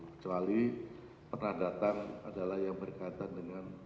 kecuali pernah datang adalah yang berkaitan dengan